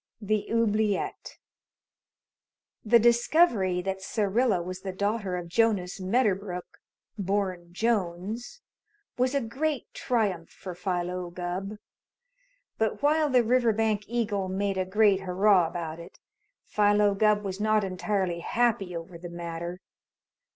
THE OUBLIETTE The discovery that Syrilla was the daughter of Jonas Medderbrook (born Jones) was a great triumph for Philo Gubb, but while the "Riverbank Eagle" made a great hurrah about it, Philo Gubb was not entirely happy over the matter.